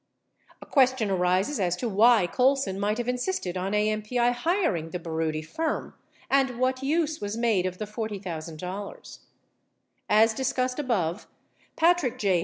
62 A question arises as to why Colson might have insisted on AMPI hiring the Baroody firm, and what use was made of the $40,000. As discussed above, Patrick J.